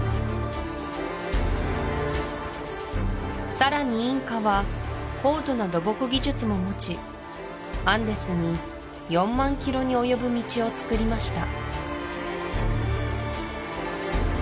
さらにインカは高度な土木技術も持ちアンデスに４万キロに及ぶ道をつくりました